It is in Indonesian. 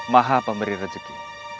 maha pemberi rezeki